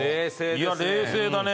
いや冷静だね。